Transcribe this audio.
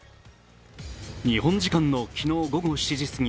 日本時間の昨日午後７時過ぎ。